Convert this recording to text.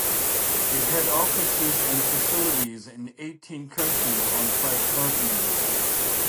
It had offices and facilities in eighteen countries on five continents.